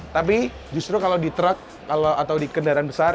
tapi justru kalau di truk atau di kendaraan besar